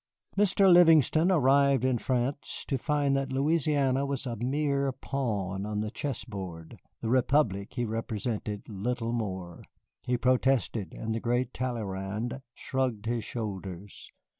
Mr. Livingston arrived in France to find that Louisiana was a mere pawn on the chess board, the Republic he represented little more. He protested, and the great Talleyrand shrugged his shoulders.